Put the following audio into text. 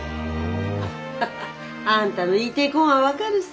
アハハあんたの言いてえこんは分かるさ。